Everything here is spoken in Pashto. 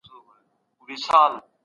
د ودانيو د سينګار دود څه و؟